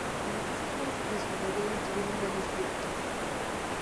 Además otras de sus novelas tuvieron buenas críticas.